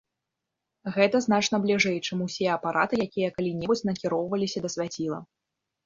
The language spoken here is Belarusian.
Гэта значна бліжэй, чым усе апараты, якія калі-небудзь накіроўваліся да свяціла.